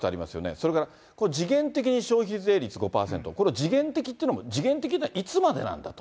それからこれ、時限的に消費税率５％、これ、時限的っていうのも、時限的っていうのはいつまでなんだと。